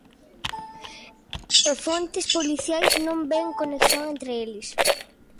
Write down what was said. E fontes policiais non ven conexión entre eles.